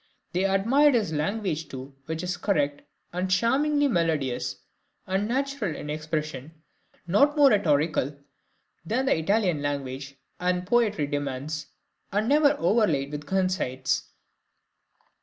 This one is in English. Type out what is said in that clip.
They admired his language too, which is correct, and charmingly melodious and natural in expression, not more rhetorical than the Italian language and poetry demands, and never overlaid with conceits.